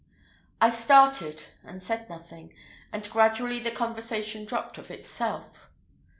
I started, and said nothing, and gradually the conversation dropped of itself.